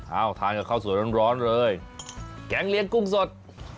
ทานกับข้าวสวยร้อนเลยแกงเลี้ยงกุ้งสด